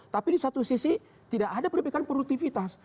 tapi di satu sisi tidak ada perbaikan produktivitas